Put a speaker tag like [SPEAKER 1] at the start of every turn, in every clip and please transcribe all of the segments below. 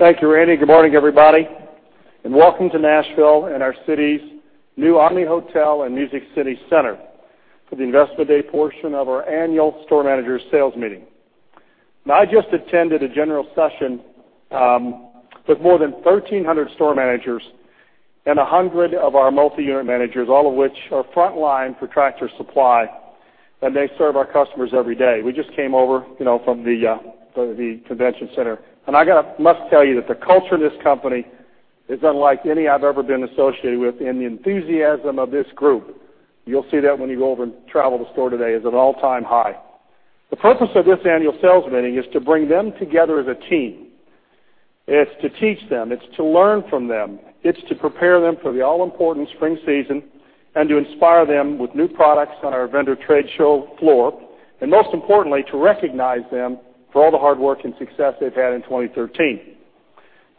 [SPEAKER 1] Thank you, Randy. Good morning, everybody, welcome to Nashville and our city's new Omni Hotel and Music City Center for the Investor Day portion of our annual store managers sales meeting. Now, I just attended a general session, with more than 1,300 store managers and 100 of our multi-unit managers, all of which are front line for Tractor Supply, and they serve our customers every day. We just came over from the convention center. I must tell you that the culture in this company is unlike any I've ever been associated with in the enthusiasm of this group. You'll see that when you go over and travel the store today. It's at an all-time high. The purpose of this annual sales meeting is to bring them together as a team. It's to teach them, it's to learn from them. It's to prepare them for the all-important spring season and to inspire them with new products on our vendor trade show floor, and most importantly, to recognize them for all the hard work and success they've had in 2013.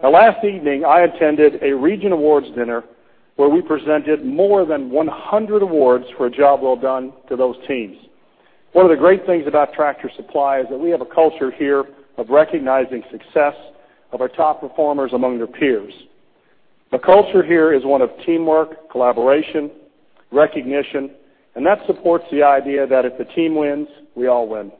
[SPEAKER 1] Now, last evening, I attended a region awards dinner where we presented more than 100 awards for a job well done to those teams. One of the great things about Tractor Supply is that we have a culture here of recognizing success of our top performers among their peers. The culture here is one of teamwork, collaboration, recognition, and that supports the idea that if the team wins, we all win.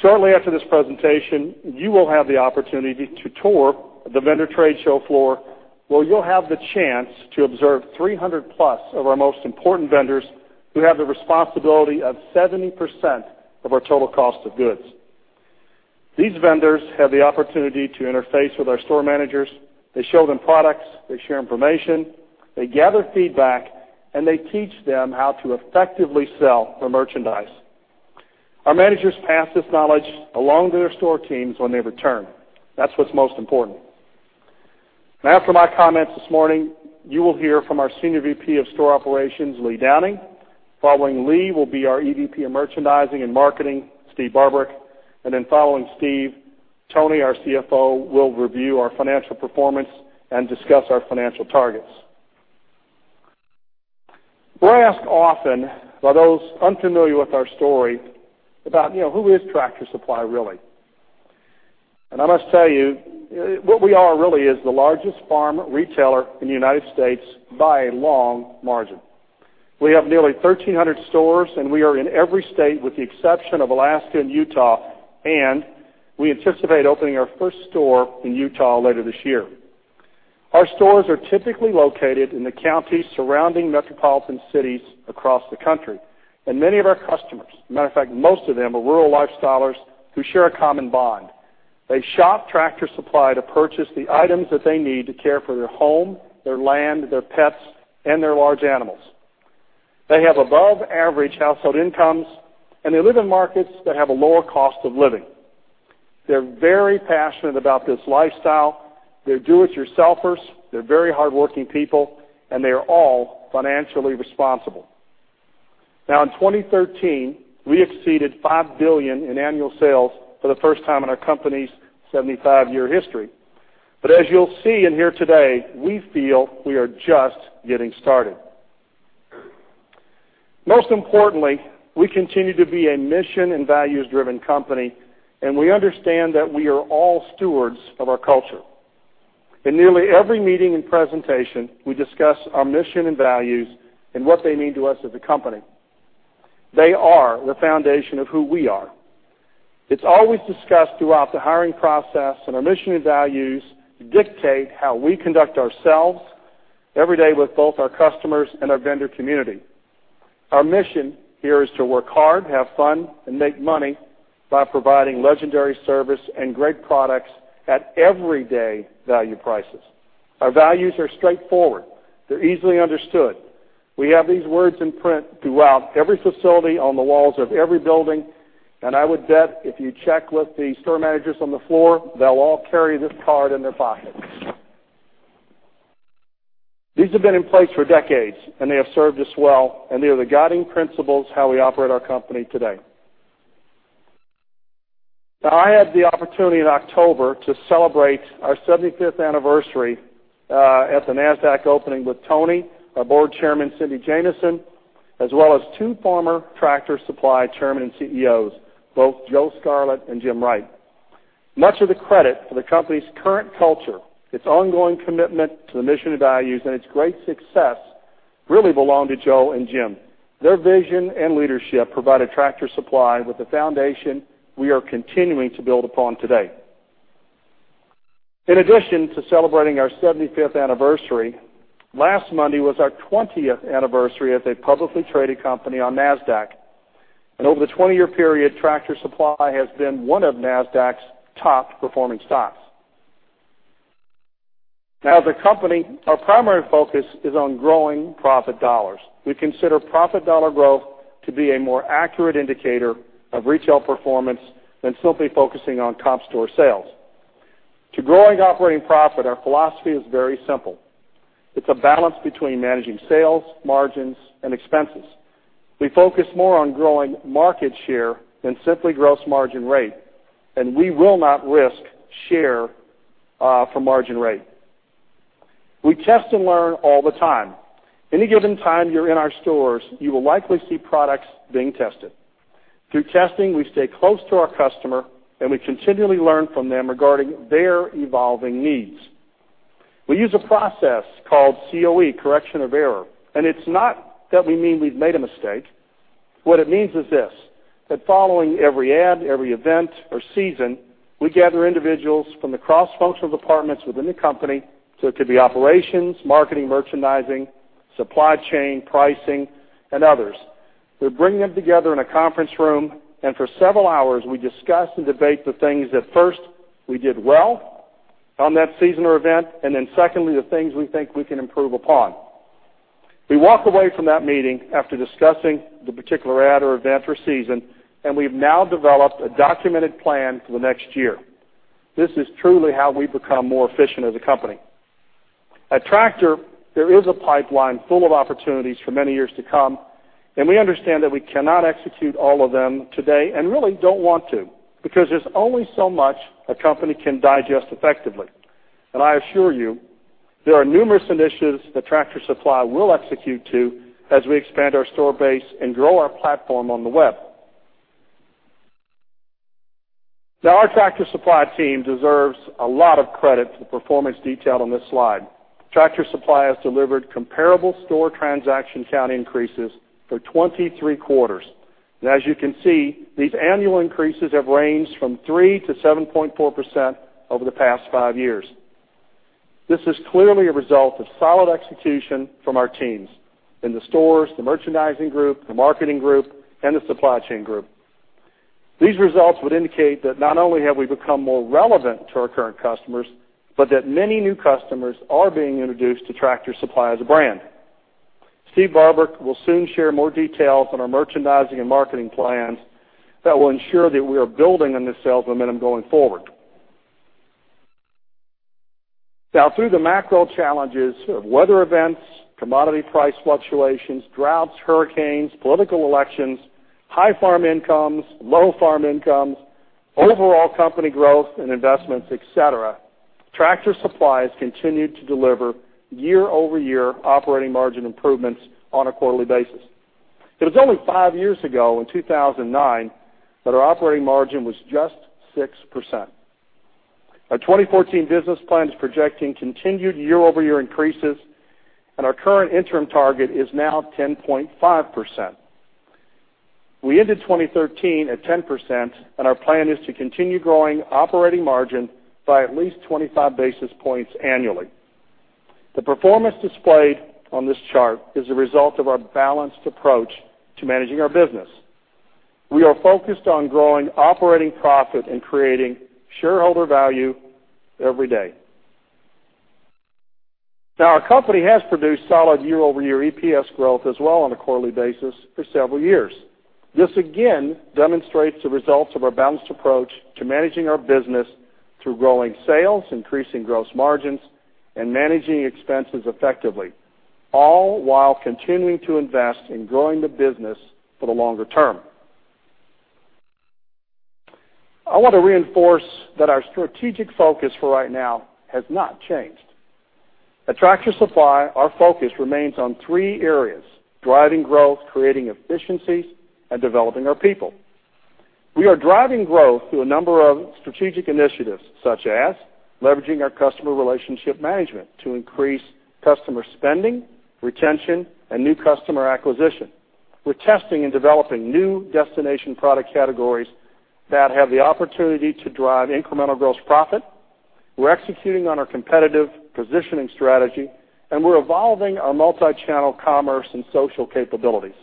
[SPEAKER 1] Shortly after this presentation, you will have the opportunity to tour the vendor trade show floor, where you'll have the chance to observe 300-plus of our most important vendors who have the responsibility of 70% of our total cost of goods. These vendors have the opportunity to interface with our store managers. They show them products. They share information. They gather feedback, and they teach them how to effectively sell the merchandise. Our managers pass this knowledge along to their store teams when they return. That's what's most important. Now, after my comments this morning, you will hear from our Senior VP of Store Operations, Lee Downing. Following Lee will be our EVP of Merchandising and Marketing, Steve Barbarick. Following Steve, Tony, our CFO, will review our financial performance and discuss our financial targets. We're asked often by those unfamiliar with our story about who is Tractor Supply, really. I must tell you, what we are really is the largest farm retailer in the U.S. by a long margin. We have nearly 1,300 stores, and we are in every state with the exception of Alaska and Utah, and we anticipate opening our first store in Utah later this year. Our stores are typically located in the counties surrounding metropolitan cities across the country, and many of our customers, matter of fact, most of them, are rural lifestylers who share a common bond. They shop Tractor Supply to purchase the items that they need to care for their home, their land, their pets, and their large animals. They have above-average household incomes, and they live in markets that have a lower cost of living. They're very passionate about this lifestyle. They're do-it-yourselfers. They're very hardworking people, and they are all financially responsible. In 2013, we exceeded $5 billion in annual sales for the first time in our company's 75-year history. As you'll see and hear today, we feel we are just getting started. Most importantly, we continue to be a mission and values-driven company, and we understand that we are all stewards of our culture. In nearly every meeting and presentation, we discuss our mission and values and what they mean to us as a company. They are the foundation of who we are. It's always discussed throughout the hiring process, and our mission and values dictate how we conduct ourselves every day with both our customers and our vendor community. Our mission here is to work hard, have fun, and make money by providing legendary service and great products at everyday value prices. Our values are straightforward. They're easily understood. We have these words in print throughout every facility on the walls of every building, and I would bet if you check with the store managers on the floor, they'll all carry this card in their pockets. These have been in place for decades, and they have served us well, and they are the guiding principles how we operate our company today. I had the opportunity in October to celebrate our 75th anniversary, at the Nasdaq opening with Tony, our board chairman, Cindy Jamison, as well as two former Tractor Supply chairman and CEOs, both Joe Scarlett and Jim Wright. Much of the credit for the company's current culture, its ongoing commitment to the mission and values, and its great success really belong to Joe and Jim. Their vision and leadership provided Tractor Supply with the foundation we are continuing to build upon today. In addition to celebrating our 75th anniversary, last Monday was our 20th anniversary as a publicly traded company on Nasdaq. Over the 20-year period, Tractor Supply has been one of Nasdaq's top-performing stocks. As a company, our primary focus is on growing profit dollars. We consider profit dollar growth to be a more accurate indicator of retail performance than simply focusing on top store sales. To growing operating profit, our philosophy is very simple. It's a balance between managing sales, margins, and expenses. We focus more on growing market share than simply gross margin rate, and we will not risk share for margin rate. We test and learn all the time. Any given time you're in our stores, you will likely see products being tested. Through testing, we stay close to our customer, and we continually learn from them regarding their evolving needs. We use a process called COE, correction of error, it's not that we mean we've made a mistake. What it means is this, that following every ad, every event or season, we gather individuals from the cross-functional departments within the company, so it could be operations, marketing, merchandising, supply chain, pricing, and others. We bring them together in a conference room, for several hours, we discuss and debate the things that first we did well on that season or event, then secondly, the things we think we can improve upon. We walk away from that meeting after discussing the particular ad or event or season, we've now developed a documented plan for the next year. This is truly how we become more efficient as a company. At Tractor, there is a pipeline full of opportunities for many years to come. We understand that we cannot execute all of them today, and really don't want to, because there's only so much a company can digest effectively. I assure you, there are numerous initiatives that Tractor Supply will execute as we expand our store base and grow our platform on the web. Our Tractor Supply team deserves a lot of credit for the performance detailed on this slide. Tractor Supply has delivered comparable store transaction count increases for 23 quarters. As you can see, these annual increases have ranged from 3%-7.4% over the past five years. This is clearly a result of solid execution from our teams in the stores, the merchandising group, the marketing group, and the supply chain group. These results would indicate that not only have we become more relevant to our current customers, but that many new customers are being introduced to Tractor Supply as a brand. Steve Barbarick will soon share more details on our merchandising and marketing plans that will ensure that we are building on this sales momentum going forward. Through the macro challenges of weather events, commodity price fluctuations, droughts, hurricanes, political elections, high farm incomes, low farm incomes, overall company growth and investments, et cetera, Tractor Supply has continued to deliver year-over-year operating margin improvements on a quarterly basis. It was only five years ago, in 2009, that our operating margin was just 6%. Our 2014 business plan is projecting continued year-over-year increases, and our current interim target is now 10.5%. We ended 2013 at 10%. Our plan is to continue growing operating margin by at least 25 basis points annually. The performance displayed on this chart is a result of our balanced approach to managing our business. We are focused on growing operating profit and creating shareholder value every day. Our company has produced solid year-over-year EPS growth as well on a quarterly basis for several years. This again demonstrates the results of our balanced approach to managing our business through growing sales, increasing gross margins, and managing expenses effectively, all while continuing to invest in growing the business for the longer term. I want to reinforce that our strategic focus for right now has not changed. At Tractor Supply, our focus remains on three areas: driving growth, creating efficiencies, and developing our people. We are driving growth through a number of strategic initiatives, such as leveraging our customer relationship management to increase customer spending, retention, and new customer acquisition. We're testing and developing new destination product categories that have the opportunity to drive incremental gross profit. We're executing on our competitive positioning strategy. We're evolving our multi-channel commerce and social capabilities.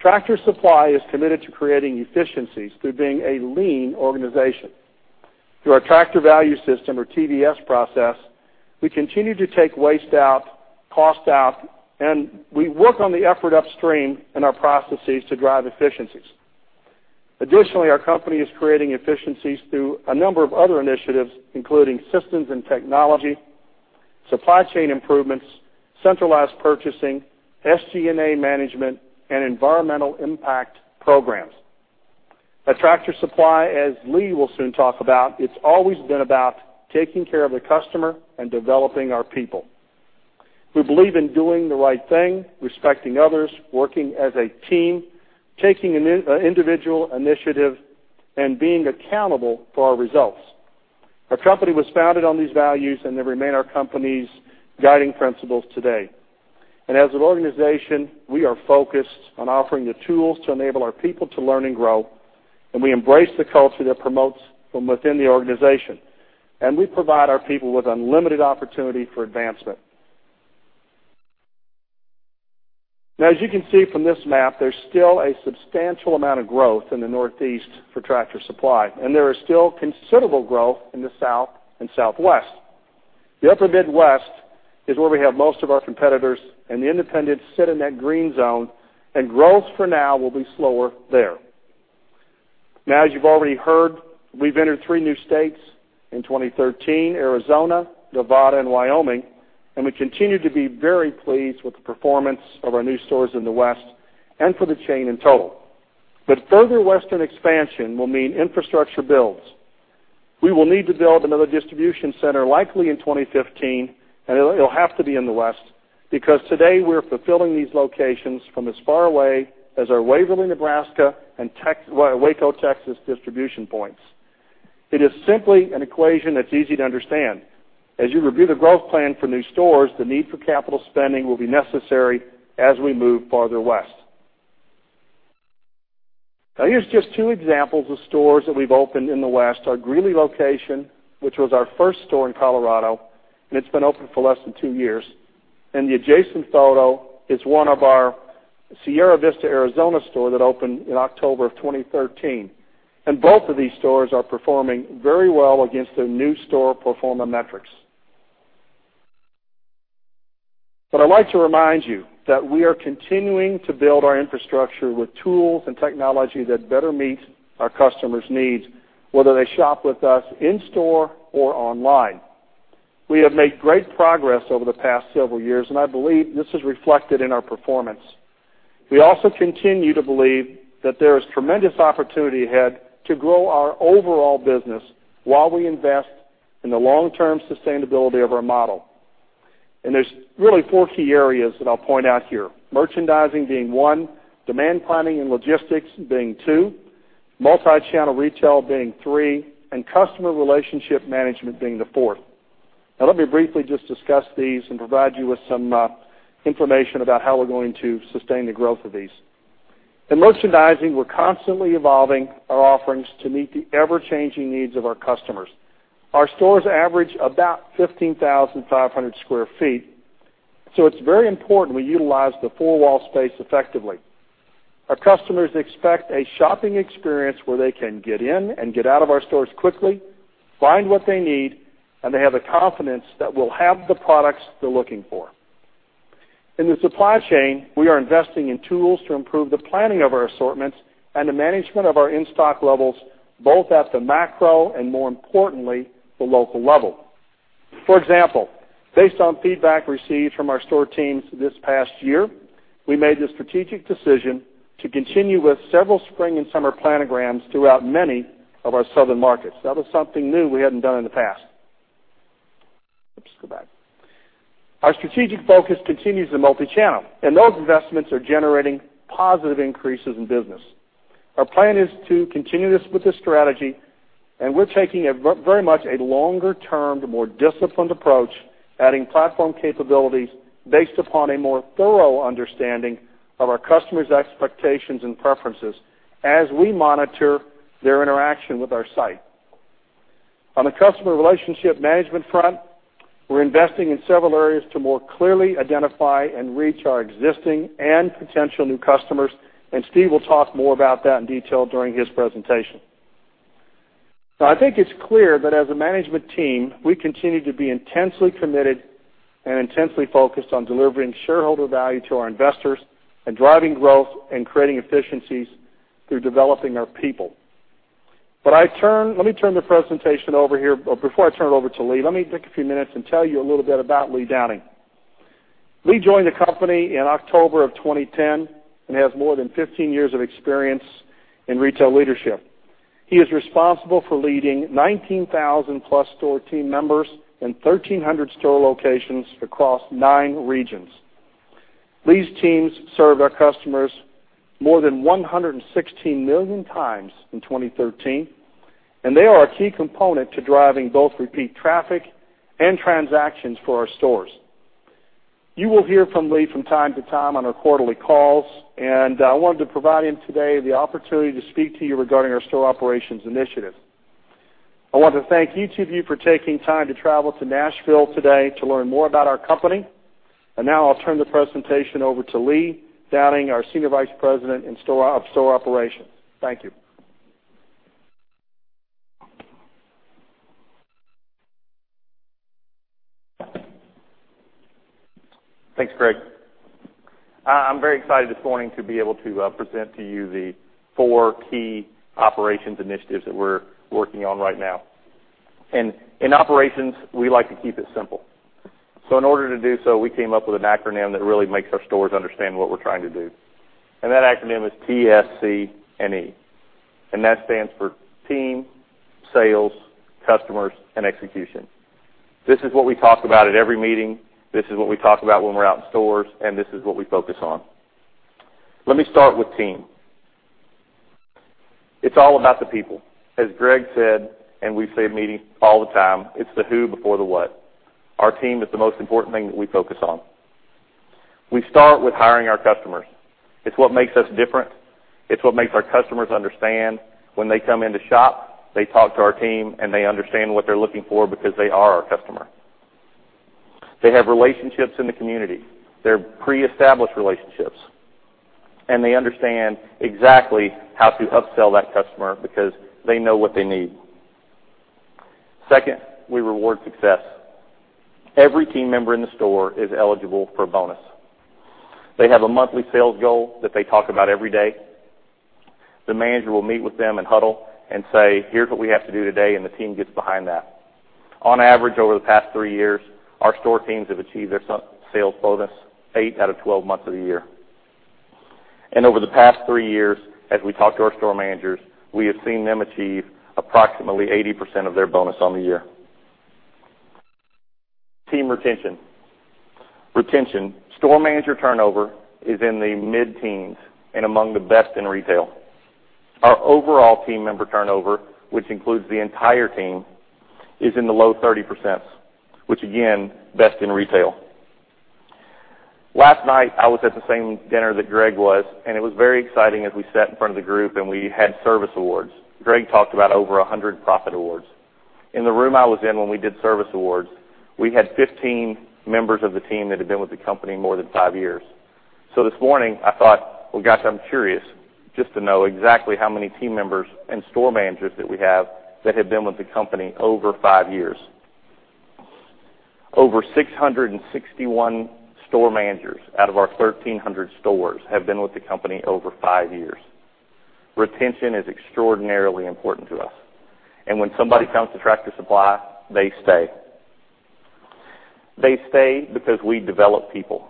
[SPEAKER 1] Tractor Supply is committed to creating efficiencies through being a lean organization. Through our Tractor Value System, or TVS process, we continue to take waste out, cost out, and we work on the effort upstream in our processes to drive efficiencies. Additionally, our company is creating efficiencies through a number of other initiatives, including systems and technology, supply chain improvements, centralized purchasing, SG&A management, and environmental impact programs. At Tractor Supply, as Lee will soon talk about, it's always been about taking care of the customer and developing our people. We believe in doing the right thing, respecting others, working as a team, taking individual initiative, and being accountable for our results. Our company was founded on these values, and they remain our company's guiding principles today. As an organization, we are focused on offering the tools to enable our people to learn and grow. We embrace the culture that promotes from within the organization. We provide our people with unlimited opportunity for advancement. As you can see from this map, there is still a substantial amount of growth in the Northeast for Tractor Supply, and there is still considerable growth in the South and Southwest. The upper Midwest is where we have most of our competitors and the independents sit in that green zone. Growth for now will be slower there. As you've already heard, we've entered three new states in 2013, Arizona, Nevada, and Wyoming. We continue to be very pleased with the performance of our new stores in the West and for the chain in total. Further Western expansion will mean infrastructure builds. We will need to build another distribution center likely in 2015. It'll have to be in the West because today we're fulfilling these locations from as far away as our Waverly, Nebraska, and Waco, Texas, distribution points. It is simply an equation that's easy to understand. As you review the growth plan for new stores, the need for capital spending will be necessary as we move farther west. Here's just two examples of stores that we've opened in the West. Our Greeley location, which was our first store in Colorado, and it's been open for less than two years. The adjacent photo is one of our Sierra Vista, Arizona, store that opened in October of 2013. Both of these stores are performing very well against their new store pro forma metrics. I'd like to remind you that we are continuing to build our infrastructure with tools and technology that better meet our customers' needs, whether they shop with us in-store or online. We have made great progress over the past several years, and I believe this is reflected in our performance. We also continue to believe that there is tremendous opportunity ahead to grow our overall business while we invest in the long-term sustainability of our model. There's really four key areas that I'll point out here. Merchandising being one, demand planning and logistics being two, multi-channel retail being three, and customer relationship management being the fourth. Let me briefly just discuss these and provide you with some information about how we're going to sustain the growth of these. In merchandising, we're constantly evolving our offerings to meet the ever-changing needs of our customers. Our stores average about 15,500 sq ft. It's very important we utilize the four wall space effectively. Our customers expect a shopping experience where they can get in and get out of our stores quickly, find what they need. They have the confidence that we'll have the products they're looking for. In the supply chain, we are investing in tools to improve the planning of our assortments and the management of our in-stock levels, both at the macro and, more importantly, the local level. For example, based on feedback received from our store teams this past year, we made the strategic decision to continue with several spring and summer planograms throughout many of our southern markets. That was something new we hadn't done in the past. Our strategic focus continues in multi-channel. Those investments are generating positive increases in business. Our plan is to continue with this strategy. We're taking very much a longer-term, more disciplined approach, adding platform capabilities based upon a more thorough understanding of our customers' expectations and preferences as we monitor their interaction with our site. On the customer relationship management front, we're investing in several areas to more clearly identify and reach our existing and potential new customers. Steve will talk more about that in detail during his presentation. I think it's clear that as a management team, we continue to be intensely committed and intensely focused on delivering shareholder value to our investors and driving growth and creating efficiencies through developing our people. Let me turn the presentation over here. Before I turn it over to Lee, let me take a few minutes and tell you a little bit about Lee Downing. Lee joined the company in October of 2010 and has more than 15 years of experience in retail leadership. He is responsible for leading 19,000-plus store team members in 1,300 store locations across nine regions. Lee's teams served our customers more than 116 million times in 2013. They are a key component to driving both repeat traffic and transactions for our stores. You will hear from Lee from time to time on our quarterly calls. I wanted to provide him today the opportunity to speak to you regarding our store operations initiative. I want to thank each of you for taking time to travel to Nashville today to learn more about our company. Now I'll turn the presentation over to Lee Downing, our Senior Vice President of Store Operations. Thank you.
[SPEAKER 2] Thanks, Greg. I'm very excited this morning to be able to present to you the four key operations initiatives that we're working on right now. In operations, we like to keep it simple. In order to do so, we came up with an acronym that really makes our stores understand what we're trying to do. That acronym is TSC&E. That stands for Team, Sales, Customers, and Execution. This is what we talk about at every meeting. This is what we talk about when we're out in stores. This is what we focus on. Let me start with Team. It's all about the people. As Greg said, we say in meetings all the time, it's the who before the what. Our team is the most important thing that we focus on. We start with hiring our customers. It's what makes us different. It's what makes our customers understand when they come into shop, they talk to our team, and they understand what they're looking for because they are our customer. They have relationships in the community. They're pre-established relationships. They understand exactly how to upsell that customer because they know what they need. Second, we reward success. Every team member in the store is eligible for a bonus. They have a monthly sales goal that they talk about every day. The manager will meet with them and huddle and say, "Here's what we have to do today," and the team gets behind that. On average, over the past three years, our store teams have achieved their sales bonus eight out of 12 months of the year. Over the past three years, as we talk to our store managers, we have seen them achieve approximately 80% of their bonus on the year. Team retention. Retention. Store manager turnover is in the mid-teens and among the best in retail. Our overall team member turnover, which includes the entire team, is in the low 30%s, which again, best in retail. Last night, I was at the same dinner that Greg was, and it was very exciting as we sat in front of the group, and we had service awards. Greg talked about over 100 profit awards. In the room I was in when we did service awards, we had 15 members of the team that had been with the company more than five years. This morning, I thought, "Well, gosh, I'm curious just to know exactly how many team members and store managers that we have that have been with the company over five years." Over 661 store managers out of our 1,300 stores have been with the company over five years. Retention is extraordinarily important to us. When somebody comes to Tractor Supply, they stay. They stay because we develop people.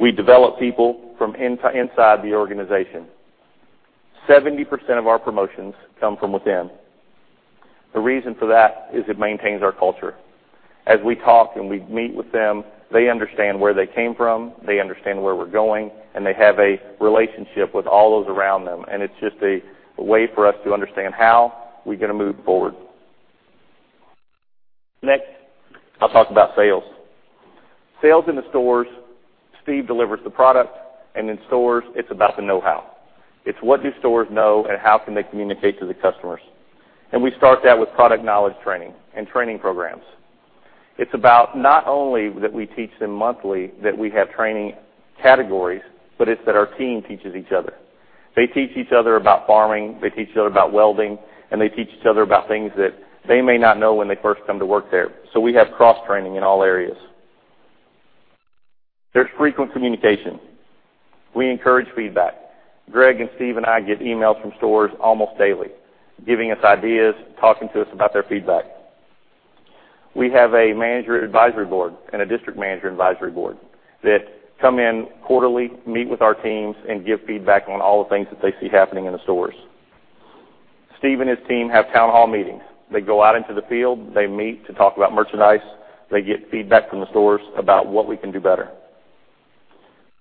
[SPEAKER 2] We develop people from inside the organization. 70% of our promotions come from within. The reason for that is it maintains our culture. As we talk and we meet with them, they understand where they came from, they understand where we're going, and they have a relationship with all those around them, and it's just a way for us to understand how we're going to move forward. Next, I'll talk about sales. Sales in the stores, Steve delivers the product, in stores, it's about the know-how. It's what do stores know, and how can they communicate to the customers. We start that with product knowledge training and training programs. It's about not only that we teach them monthly, that we have training categories, but it's that our team teaches each other. They teach each other about farming, they teach each other about welding, and they teach each other about things that they may not know when they first come to work there. We have cross-training in all areas. There's frequent communication. We encourage feedback. Greg and Steve and I get emails from stores almost daily, giving us ideas, talking to us about their feedback. We have a manager advisory board and a district manager advisory board that come in quarterly, meet with our teams, and give feedback on all the things that they see happening in the stores. Steve and his team have town hall meetings. They go out into the field, they meet to talk about merchandise, they get feedback from the stores about what we can do better.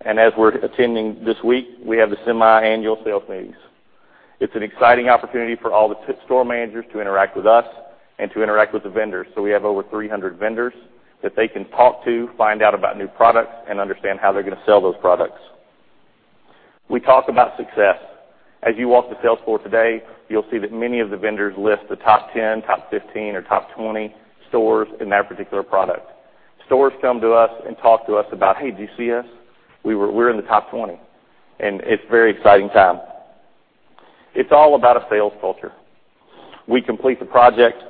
[SPEAKER 2] As we're attending this week, we have the semiannual sales meetings. It's an exciting opportunity for all the store managers to interact with us and to interact with the vendors. We have over 300 vendors that they can talk to, find out about new products, and understand how they're going to sell those products. We talk about success. As you walk the sales floor today, you'll see that many of the vendors list the top 10, top 15, or top 20 stores in that particular product. Stores come to us and talk to us about, "Hey, do you see us? We're in the top 20." It's a very exciting time. It's all about a sales culture. We complete the project,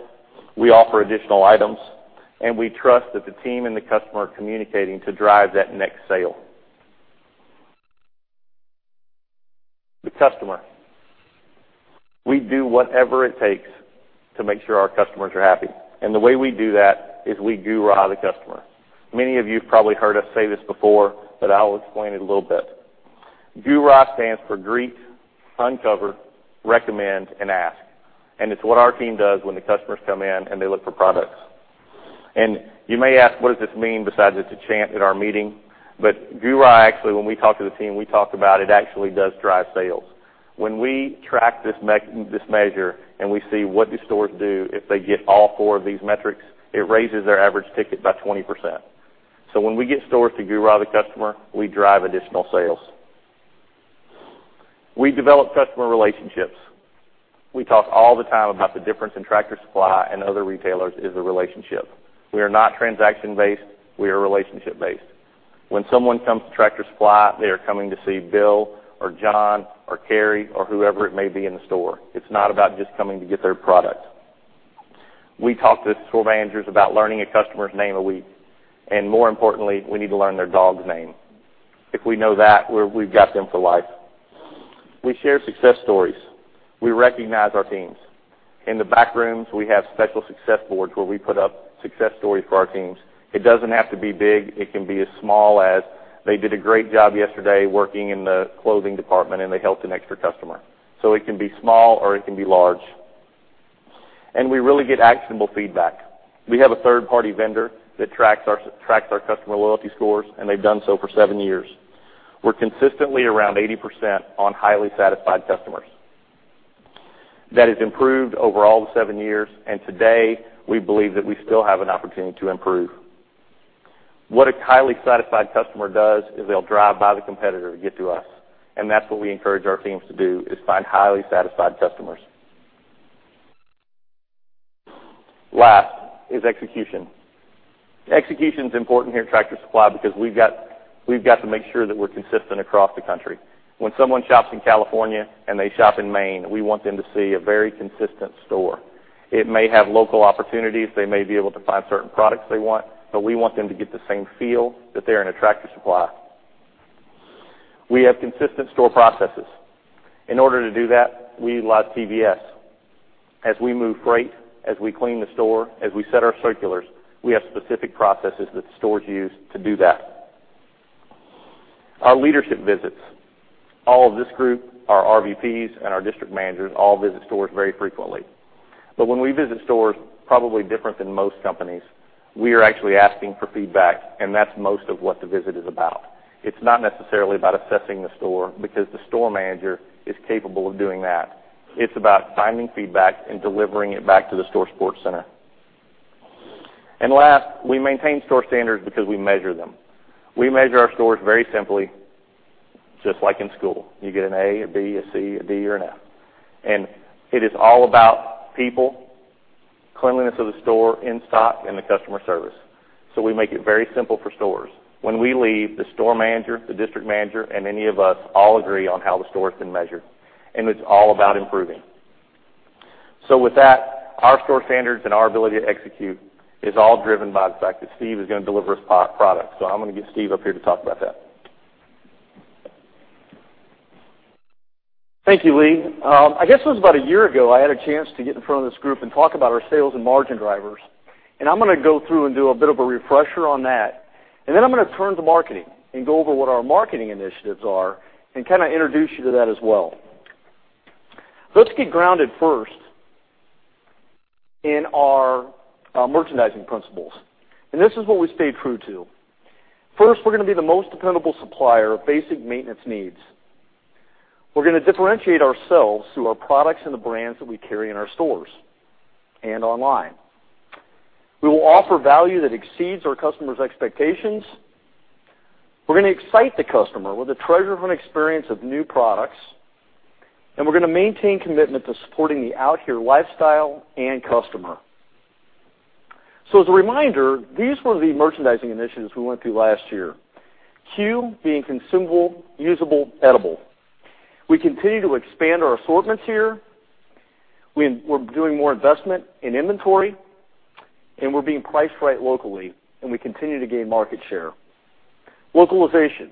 [SPEAKER 2] we offer additional items, and we trust that the team and the customer are communicating to drive that next sale. The customer. We do whatever it takes to make sure our customers are happy, and the way we do that is we GURA the customer. Many of you have probably heard us say this before, but I'll explain it a little bit. GURA stands for greet, uncover, recommend, and ask, and it's what our team does when the customers come in and they look for products. You may ask, what does this mean besides it's a chant at our meeting? GURA, actually, when we talk to the team, we talk about it actually does drive sales. When we track this measure and we see what do stores do if they get all four of these metrics, it raises their average ticket by 20%. When we get stores to GURA the customer, we drive additional sales. We develop customer relationships. We talk all the time about the difference in Tractor Supply and other retailers is the relationship. We are not transaction-based; we are relationship-based. When someone comes to Tractor Supply, they are coming to see Bill or John or Carrie or whoever it may be in the store. It's not about just coming to get their product. We talk to store managers about learning a customer's name a week, and more importantly, we need to learn their dog's name. If we know that, we've got them for life. We share success stories. We recognize our teams. In the back rooms, we have special success boards where we put up success stories for our teams. It doesn't have to be big. It can be as small as they did a great job yesterday working in the clothing department, and they helped an extra customer. It can be small, or it can be large. We really get actionable feedback. We have a third-party vendor that tracks our customer loyalty scores, and they've done so for seven years. We're consistently around 80% on highly satisfied customers. That has improved over all the seven years, and today, we believe that we still have an opportunity to improve. What a highly satisfied customer does is they'll drive by the competitor to get to us, and that's what we encourage our teams to do is find highly satisfied customers. Last is execution. Execution is important here at Tractor Supply because we've got to make sure that we're consistent across the country. When someone shops in California and they shop in Maine, we want them to see a very consistent store. It may have local opportunities. They may be able to find certain products they want. We want them to get the same feel that they're in a Tractor Supply. We have consistent store processes. In order to do that, we utilize TVS. As we move freight, as we clean the store, as we set our circulars, we have specific processes that the stores use to do that. Our leadership visits. All of this group, our RVPs and our district managers, all visit stores very frequently. When we visit stores, probably different than most companies, we are actually asking for feedback, and that's most of what the visit is about. It's not necessarily about assessing the store because the store manager is capable of doing that. It's about finding feedback and delivering it back to the store support center. Last, we maintain store standards because we measure them. We measure our stores very simply, just like in school. You get an A, a B, a C, a D, or an F. It is all about people, cleanliness of the store, in-stock, and the customer service. We make it very simple for stores. When we leave, the store manager, the district manager, and any of us all agree on how the store has been measured, and it's all about improving. With that, our store standards and our ability to execute is all driven by the fact that Steve is going to deliver us product. I'm going to get Steve up here to talk about that.
[SPEAKER 3] Thank you, Lee. I guess it was about a year ago, I had a chance to get in front of this group and talk about our sales and margin drivers. I'm going to go through and do a bit of a refresher on that. Then I'm going to turn to marketing and go over what our marketing initiatives are and introduce you to that as well. Let's get grounded first in our merchandising principles, this is what we stayed true to. First, we're going to be the most dependable supplier of basic maintenance needs. We're going to differentiate ourselves through our products and the brands that we carry in our stores and online. We will offer value that exceeds our customers' expectations. We're going to excite the customer with a treasure hunt experience of new products, and we're going to maintain commitment to supporting the Life Out Here lifestyle and customer. As a reminder, these were the merchandising initiatives we went through last year. CUE being consumable, usable, edible. We continue to expand our assortments here. We're doing more investment in inventory, and we're being priced right locally, and we continue to gain market share. Localization.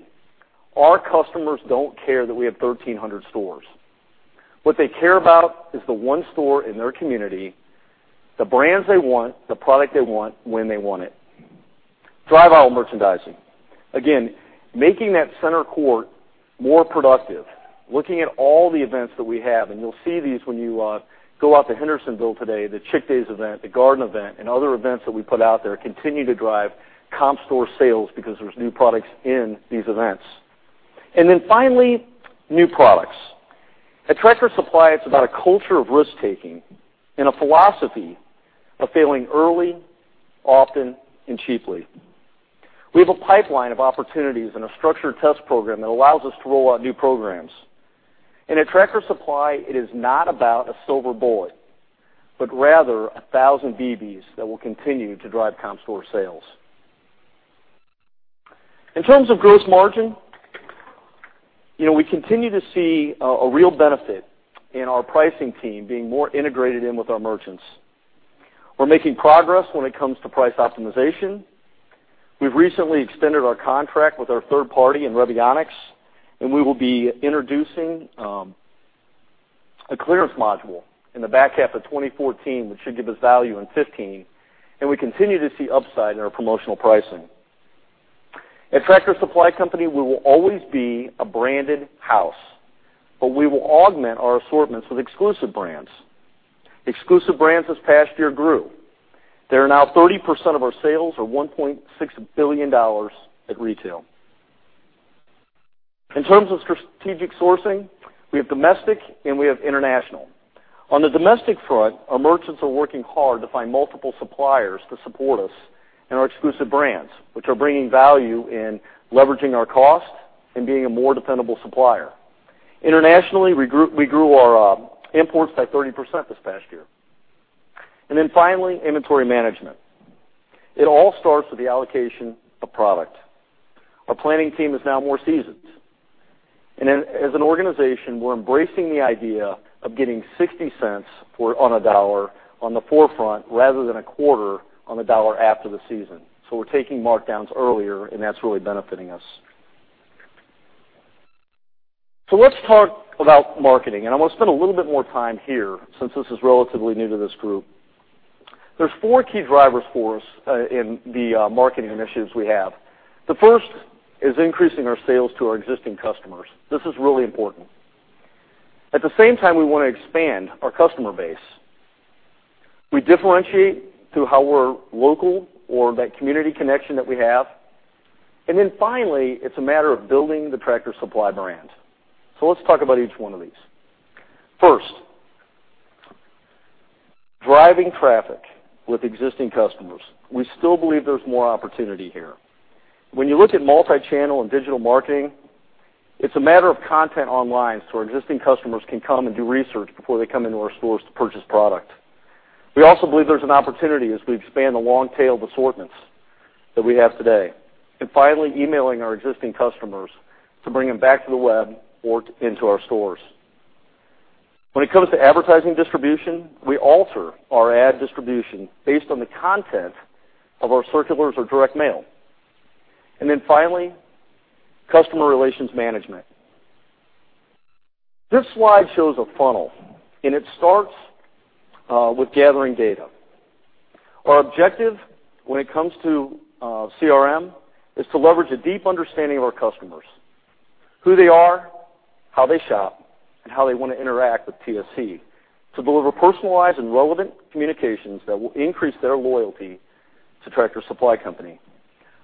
[SPEAKER 3] Our customers don't care that we have 1,300 stores. What they care about is the one store in their community, the brands they want, the product they want, when they want it. Drive aisle merchandising. Again, making that center court more productive, looking at all the events that we have, and you'll see these when you go out to Hendersonville today, the Chick Days event, the Garden event, and other events that we put out there continue to drive comp store sales because there's new products in these events. Finally, new products. At Tractor Supply, it's about a culture of risk-taking and a philosophy of failing early, often, and cheaply. We have a pipeline of opportunities and a structured test program that allows us to roll out new programs. At Tractor Supply, it is not about a silver bullet, but rather 1,000 BBs that will continue to drive comp store sales. In terms of gross margin, we continue to see a real benefit in our pricing team being more integrated in with our merchants. We're making progress when it comes to price optimization. We've recently extended our contract with our third party in Revionics, and we will be introducing a clearance module in the back half of 2014, which should give us value in 2015, and we continue to see upside in our promotional pricing. At Tractor Supply Company, we will always be a branded house, but we will augment our assortments with exclusive brands. Exclusive brands this past year grew. They are now 30% of our sales or $1.6 billion at retail. In terms of strategic sourcing, we have domestic and we have international. On the domestic front, our merchants are working hard to find multiple suppliers to support us in our exclusive brands, which are bringing value in leveraging our cost and being a more dependable supplier. Internationally, we grew our imports by 30% this past year. Finally, inventory management. It all starts with the allocation of product. Our planning team is now more seasoned. As an organization, we're embracing the idea of getting $0.60 on a dollar on the forefront rather than a quarter on the dollar after the season. We're taking markdowns earlier, and that's really benefiting us. Let's talk about marketing, and I want to spend a little bit more time here since this is relatively new to this group. There's four key drivers for us in the marketing initiatives we have. The first is increasing our sales to our existing customers. This is really important. At the same time, we want to expand our customer base. We differentiate through how we're local or that community connection that we have. Finally, it's a matter of building the Tractor Supply brand. Let's talk about each one of these. First, driving traffic with existing customers. We still believe there's more opportunity here. When you look at multi-channel and digital marketing, it's a matter of content online so our existing customers can come and do research before they come into our stores to purchase product. We also believe there's an opportunity as we expand the long tail of assortments that we have today. Finally, emailing our existing customers to bring them back to the web or into our stores. When it comes to advertising distribution, we alter our ad distribution based on the content of our circulars or direct mail. Finally, customer relations management. This slide shows a funnel, and it starts with gathering data. Our objective when it comes to CRM is to leverage a deep understanding of our customers, who they are, how they shop, and how they want to interact with TSC to deliver personalized and relevant communications that will increase their loyalty to Tractor Supply Company.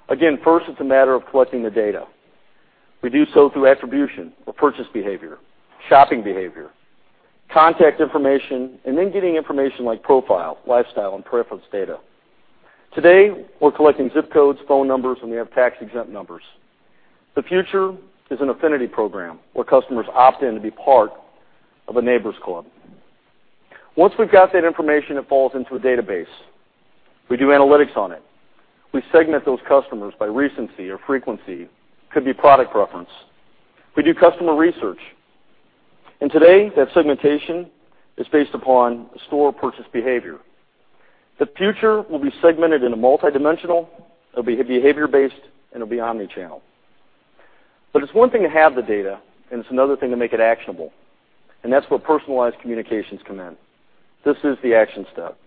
[SPEAKER 3] Again, first, it's a matter of collecting the data. We do so through attribution or purchase behavior, shopping behavior, contact information, and then getting information like profile, lifestyle, and preference data. Today, we're collecting zip codes, phone numbers, and we have tax-exempt numbers. The future is an affinity program where customers opt in to be part of a Neighbor's Club. Once we've got that information, it falls into a database. We do analytics on it. We segment those customers by recency or frequency, could be product preference. We do customer research. Today, that segmentation is based upon store purchase behavior. The future will be segmented into multidimensional, it'll be behavior-based, and it'll be omni-channel. It's one thing to have the data, and it's another thing to make it actionable. That's where personalized communications come in. This is the action step.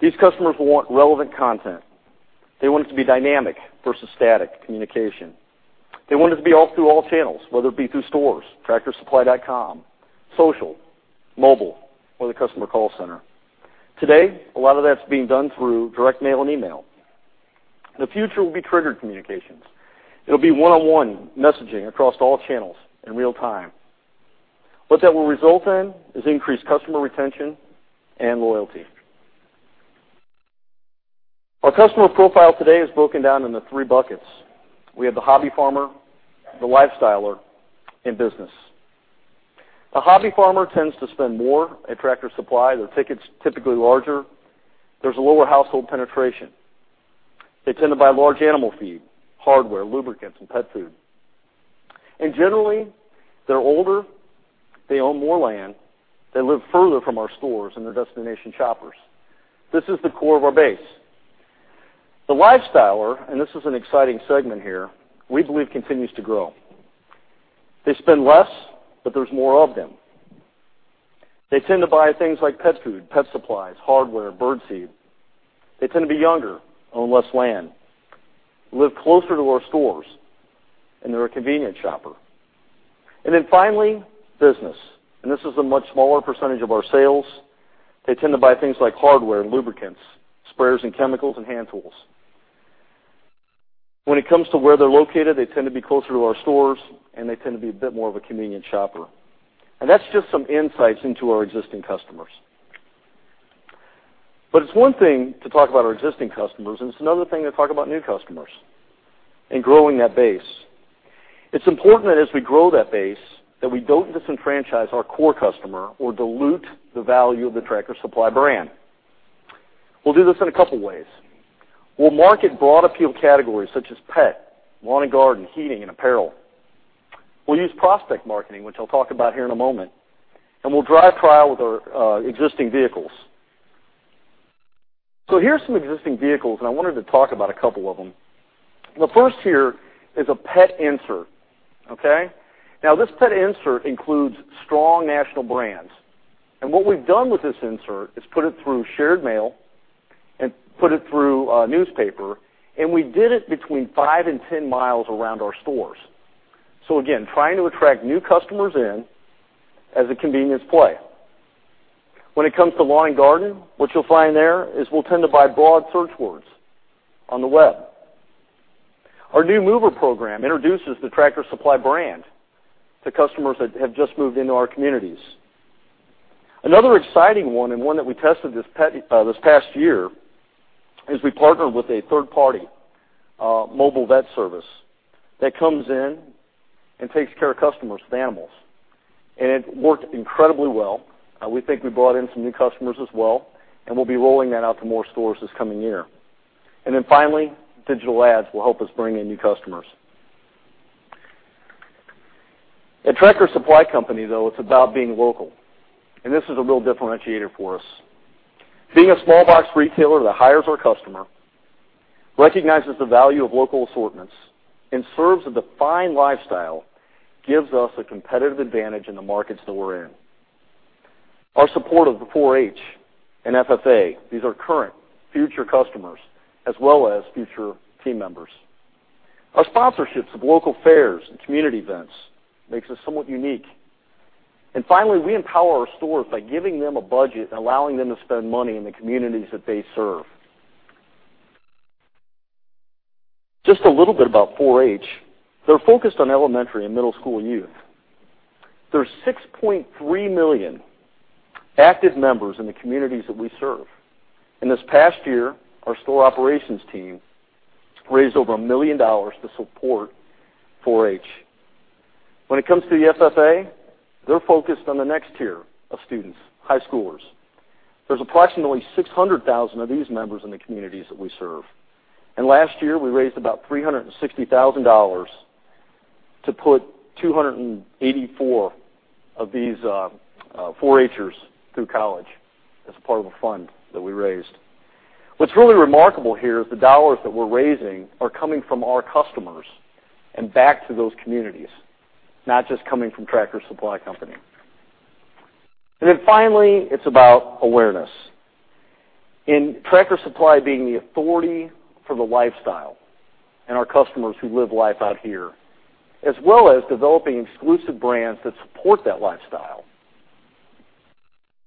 [SPEAKER 3] These customers want relevant content. They want it to be dynamic versus static communication. They want it to be all through all channels, whether it be through stores, TractorSupply.com, social, mobile, or the customer call center. Today, a lot of that's being done through direct mail and email. The future will be triggered communications. It'll be one-on-one messaging across all channels in real time. What that will result in is increased customer retention and loyalty. Our customer profile today is broken down into 3 buckets. We have the hobby farmer, the lifestyler, and business. A hobby farmer tends to spend more at Tractor Supply. Their ticket's typically larger. There's a lower household penetration. They tend to buy large animal feed, hardware, lubricants, and pet food. Generally, they're older, they own more land, they live further from our stores and they're destination shoppers. This is the core of our base. The lifestyler, this is an exciting segment here, we believe continues to grow. They spend less, there's more of them. They tend to buy things like pet food, pet supplies, hardware, birdseed. They tend to be younger, own less land, live closer to our stores, and they're a convenience shopper. Finally, business. This is a much smaller percentage of our sales. They tend to buy things like hardware and lubricants, sprayers and chemicals, and hand tools. When it comes to where they're located, they tend to be closer to our stores, and they tend to be a bit more of a convenience shopper. That's just some insights into our existing customers. It's one thing to talk about our existing customers, and it's another thing to talk about new customers and growing that base. It's important that as we grow that base, that we don't disenfranchise our core customer or dilute the value of the Tractor Supply brand. We'll do this in a couple of ways. We'll market broad appeal categories such as pet, lawn and garden, heating, and apparel. We'll use prospect marketing, which I'll talk about here in a moment, and we'll drive trial with our existing vehicles. Here are some existing vehicles, and I wanted to talk about a couple of them. The first here is a pet insert, okay. Now this pet insert includes strong national brands. What we've done with this insert is put it through shared mail and put it through newspaper, and we did it between 5 and 10 miles around our stores. Again, trying to attract new customers in as a convenience play. When it comes to lawn and garden, what you'll find there is we'll tend to buy broad search words on the web. Our new mover program introduces the Tractor Supply brand to customers that have just moved into our communities. Another exciting one and one that we tested this past year is we partnered with a third-party mobile vet service that comes in and takes care of customers' animals. It worked incredibly well. We think we brought in some new customers as well, and we'll be rolling that out to more stores this coming year. Finally, digital ads will help us bring in new customers. At Tractor Supply Company, though, it's about being local, and this is a real differentiator for us. Being a small box retailer that hires our customer, recognizes the value of local assortments, and serves a defined lifestyle gives us a competitive advantage in the markets that we're in. Our support of the 4-H and FFA, these are current future customers as well as future team members. Our sponsorships of local fairs and community events makes us somewhat unique. Finally, we empower our stores by giving them a budget and allowing them to spend money in the communities that they serve. Just a little bit about 4-H. They're focused on elementary and middle school youth. There's 6.3 million active members in the communities that we serve. In this past year, our store operations team raised over $1 million to support 4-H. When it comes to the FFA, they're focused on the next tier of students, high schoolers. There's approximately 600,000 of these members in the communities that we serve. Last year, we raised about $360,000 to put 284 of these 4-H-ers through college as part of a fund that we raised. What's really remarkable here is the dollars that we're raising are coming from our customers and back to those communities, not just coming from Tractor Supply Company. Finally, it's about awareness. In Tractor Supply being the authority for the lifestyle and our customers who live Life Out Here, as well as developing exclusive brands that support that lifestyle.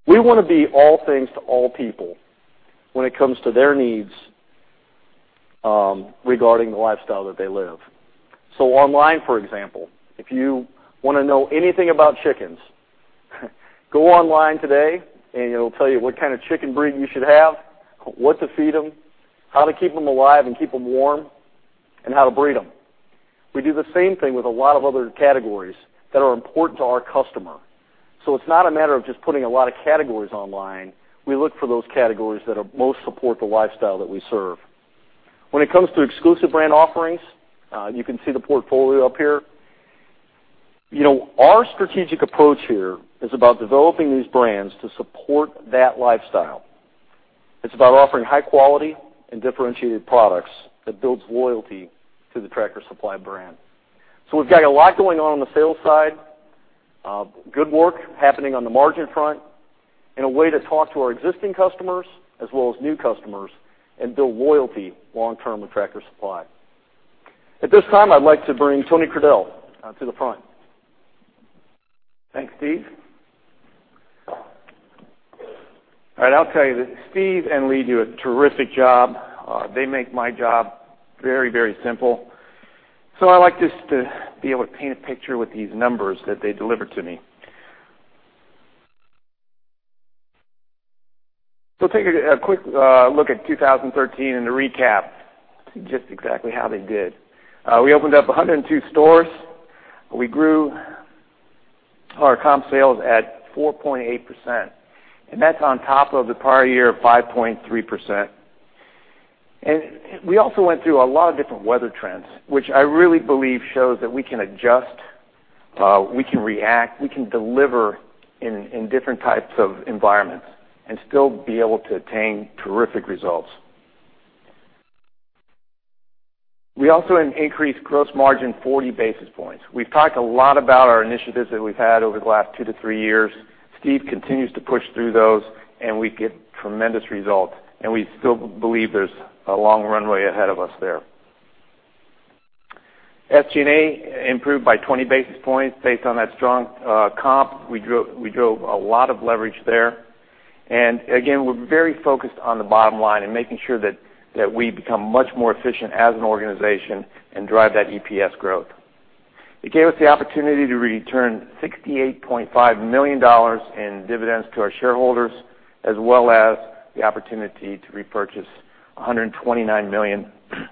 [SPEAKER 3] We want to be all things to all people when it comes to their needs regarding the lifestyle that they live. Online, for example, if you want to know anything about chickens, go online today and it'll tell you what kind of chicken breed you should have, what to feed them, how to keep them alive and keep them warm, and how to breed them. We do the same thing with a lot of other categories that are important to our customer. It's not a matter of just putting a lot of categories online. We look for those categories that most support the lifestyle that we serve. When it comes to exclusive brand offerings, you can see the portfolio up here. Our strategic approach here is about developing these brands to support that lifestyle. It's about offering high-quality and differentiated products that builds loyalty to the Tractor Supply brand. We've got a lot going on on the sales side, good work happening on the margin front, and a way to talk to our existing customers as well as new customers and build loyalty long-term with Tractor Supply. At this time, I'd like to bring Tony Crudele to the front.
[SPEAKER 4] Thanks, Steve. All right, I'll tell you that Steve and Lee do a terrific job. They make my job very simple. I like just to be able to paint a picture with these numbers that they deliver to me. Take a quick look at 2013 and the recap to just exactly how they did. We opened up 102 stores. We grew our comp sales at 4.8%, and that's on top of the prior year of 5.3%. We also went through a lot of different weather trends, which I really believe shows that we can adjust, we can react, we can deliver in different types of environments and still be able to attain terrific results. We also increased gross margin 40 basis points. We've talked a lot about our initiatives that we've had over the last two to three years. Steve continues to push through those, We get tremendous results, We still believe there's a long runway ahead of us there. SG&A improved by 20 basis points based on that strong comp. We drove a lot of leverage there. Again, we're very focused on the bottom line and making sure that we become much more efficient as an organization and drive that EPS growth. It gave us the opportunity to return $68.5 million in dividends to our shareholders, as well as the opportunity to repurchase $129 million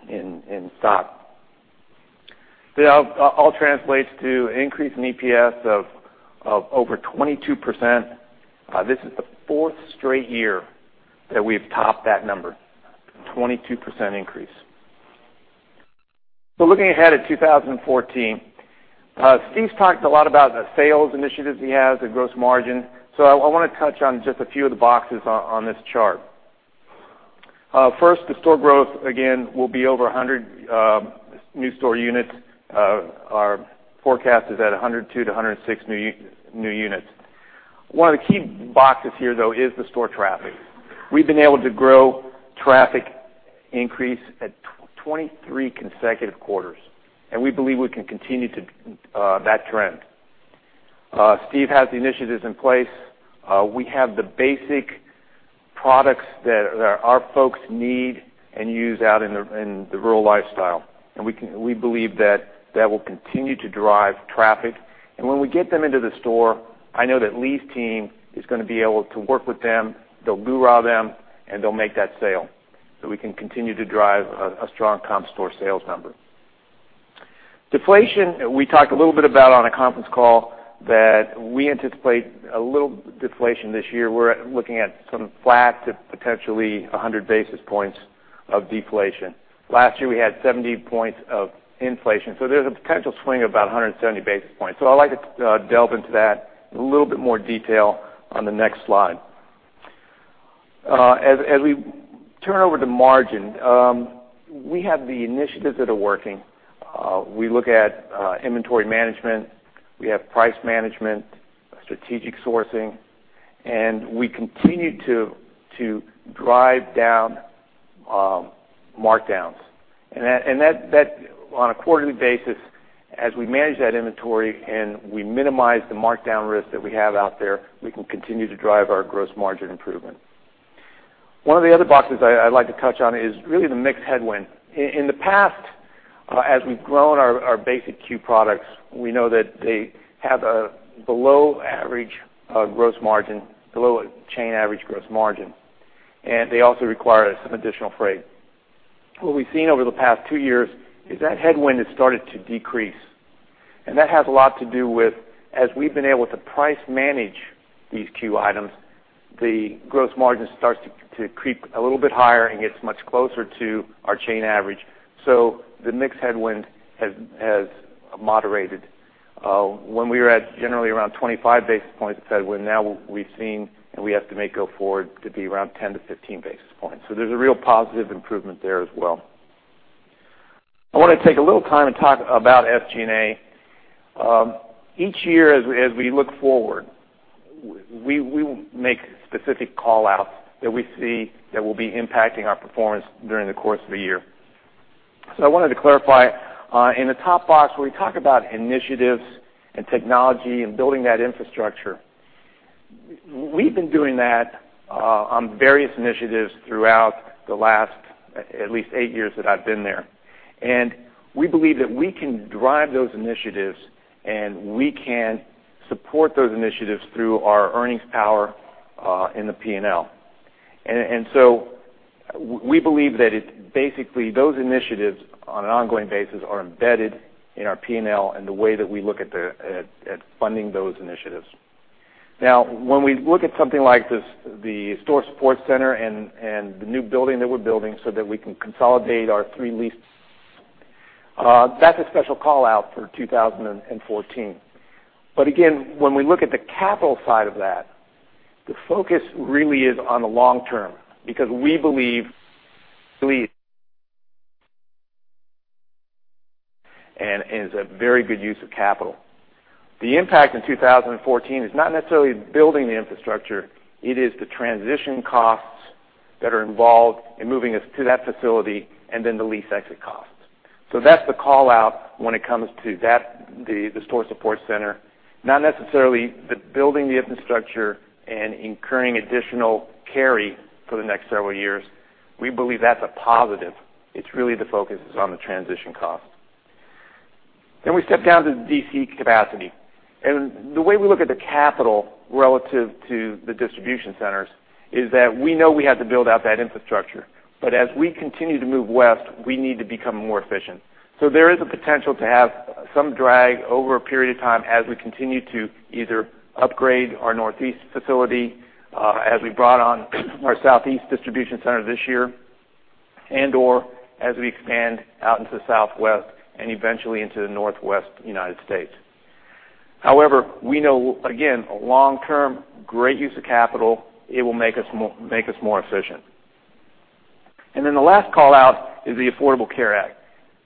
[SPEAKER 4] in stock. That all translates to an increase in EPS of over 22%. This is the fourth straight year that we've topped that number, 22% increase. Looking ahead at 2014. Steve's talked a lot about the sales initiatives he has, the gross margin. I want to touch on just a few of the boxes on this chart. First, the store growth, again, will be over 100 new store units. Our forecast is at 102 to 106 new units. One of the key boxes here, though, is the store traffic. We've been able to grow traffic increase at 23 consecutive quarters, and we believe we can continue that trend. Steve has the initiatives in place. We have the basic products that our folks need and use out in the rural lifestyle, and we believe that that will continue to drive traffic. When we get them into the store, I know that Lee's team is going to be able to work with them, they'll GURA them, and they'll make that sale so we can continue to drive a strong comp store sales number. Deflation, we talked a little bit about on a conference call that we anticipate a little deflation this year. We're looking at some flat to potentially 100 basis points of deflation. Last year, we had 70 points of inflation. There's a potential swing of about 170 basis points. I'd like to delve into that in a little bit more detail on the next slide. As we turn over to margin, we have the initiatives that are working. We look at inventory management, we have price management, strategic sourcing, and we continue to drive down markdowns. That on a quarterly basis, as we manage that inventory and we minimize the markdown risk that we have out there, we can continue to drive our gross margin improvement. One of the other boxes I'd like to touch on is really the mixed headwind. In the past, as we've grown our basic CUE products, we know that they have below average gross margin, below chain average gross margin, and they also require some additional freight. What we've seen over the past two years is that headwind has started to decrease. That has a lot to do with, as we've been able to price manage these CUE items, the gross margin starts to creep a little bit higher and gets much closer to our chain average. The mix headwind has moderated. When we were at generally around 25 basis points headwind, now we've seen, and we estimate go forward to be around 10 to 15 basis points. There's a real positive improvement there as well. I want to take a little time and talk about SG&A. Each year, as we look forward, we will make specific call-outs that we see that will be impacting our performance during the course of the year. I wanted to clarify, in the top box, where we talk about initiatives and technology and building that infrastructure, we've been doing that on various initiatives throughout the last at least eight years that I've been there. We believe that we can drive those initiatives, and we can support those initiatives through our earnings power in the P&L. We believe that basically, those initiatives on an ongoing basis are embedded in our P&L and the way that we look at funding those initiatives. Now, when we look at something like the store support center and the new building that we're building so that we can consolidate our three leases, that's a special call-out for 2014. Again, when we look at the capital side of that, the focus really is on the long term, because we believe and is a very good use of capital. The impact in 2014 is not necessarily building the infrastructure. It is the transition costs that are involved in moving us to that facility and then the lease exit costs. That's the call-out when it comes to the store support center, not necessarily the building the infrastructure and incurring additional carry for the next several years. We believe that's a positive. It's really the focus is on the transition cost. Then we step down to the DC capacity. The way we look at the capital relative to the distribution centers is that we know we have to build out that infrastructure. As we continue to move west, we need to become more efficient. There is a potential to have some drag over a period of time as we continue to either upgrade our Northeast facility, as we brought on our Southeast distribution center this year and/or as we expand out into the Southwest and eventually into the Northwest U.S. However, we know, again, long term, great use of capital, it will make us more efficient. The last call-out is the Affordable Care Act.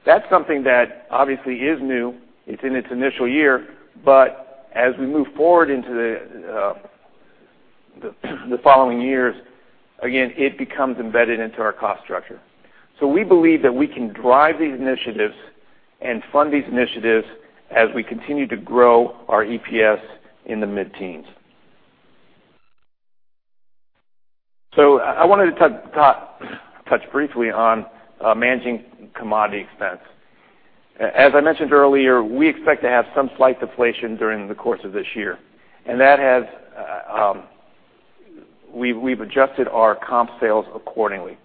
[SPEAKER 4] That's something that obviously is new. It's in its initial year. As we move forward into the following years, again, it becomes embedded into our cost structure. We believe that we can drive these initiatives and fund these initiatives as we continue to grow our EPS in the mid-teens. I wanted to touch briefly on managing commodity expense. As I mentioned earlier, we expect to have some slight deflation during the course of this year, we've adjusted our comp sales accordingly.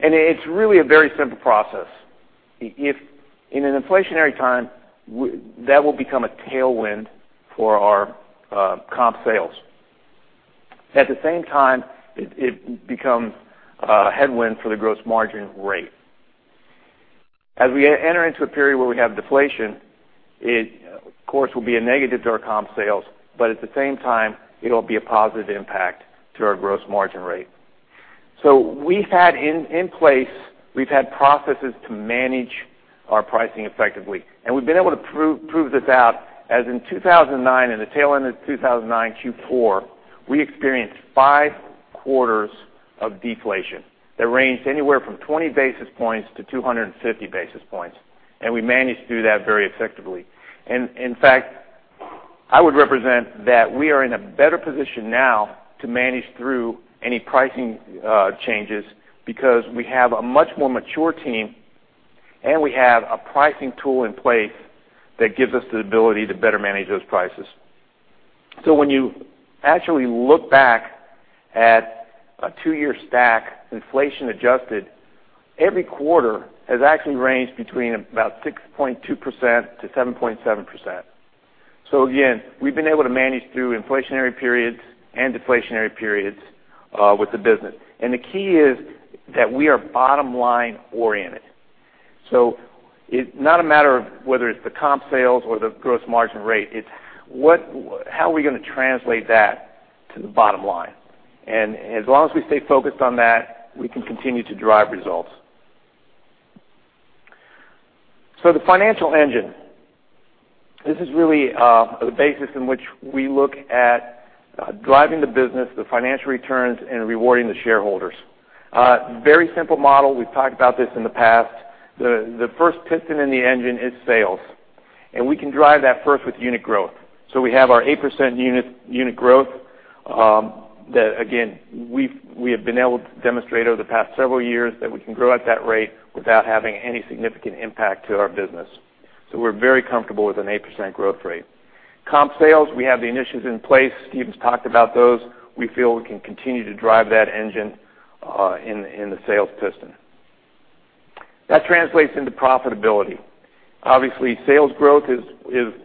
[SPEAKER 4] It's really a very simple process. If in an inflationary time, that will become a tailwind for our comp sales. At the same time, it becomes a headwind for the gross margin rate. As we enter into a period where we have deflation, it of course, will be a negative to our comp sales, but at the same time, it'll be a positive impact to our gross margin rate. We've had in place, we've had processes to manage our pricing effectively, and we've been able to prove this out as in 2009 and the tail end of 2009, Q4, we experienced five quarters of deflation that ranged anywhere from 20 basis points-250 basis points, and we managed to do that very effectively. In fact, I would represent that we are in a better position now to manage through any pricing changes because we have a much more mature team, and we have a pricing tool in place that gives us the ability to better manage those prices. When you actually look back at a two-year stack, inflation-adjusted, every quarter has actually ranged between about 6.2%-7.7%. Again, we've been able to manage through inflationary periods and deflationary periods with the business. The key is that we are bottom-line oriented. It's not a matter of whether it's the comp sales or the gross margin rate. It's how are we going to translate that to the bottom line? As long as we stay focused on that, we can continue to drive results. The financial engine, this is really the basis in which we look at driving the business, the financial returns, and rewarding the shareholders. Very simple model. We've talked about this in the past. The first piston in the engine is sales, and we can drive that first with unit growth. We have our 8% unit growth that again, we have been able to demonstrate over the past several years that we can grow at that rate without having any significant impact to our business. We're very comfortable with an 8% growth rate. Comp sales, we have the initiatives in place. Steve's talked about those. We feel we can continue to drive that engine in the sales piston. That translates into profitability. Obviously, sales growth is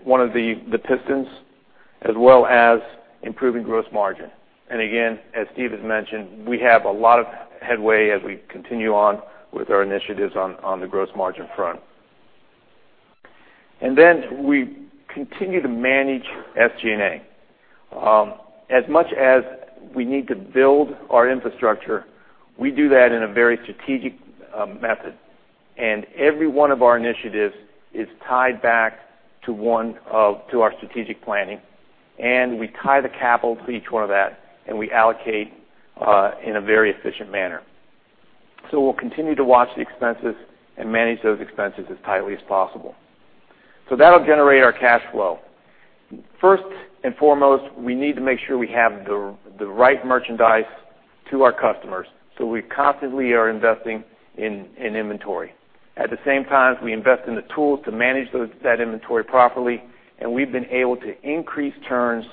[SPEAKER 4] one of the pistons, as well as improving gross margin. Again, as Steve has mentioned, we have a lot of headway as we continue on with our initiatives on the gross margin front. We continue to manage SG&A. As much as we need to build our infrastructure, we do that in a very strategic method, and every one of our initiatives is tied back to our strategic planning, and we tie the capital to each one of that, and we allocate in a very efficient manner. We'll continue to watch the expenses and manage those expenses as tightly as possible. That'll generate our cash flow. First and foremost, we need to make sure we have the right merchandise to our customers, so we constantly are investing in inventory. At the same time, we invest in the tools to manage that inventory properly, and we've been able to increase turns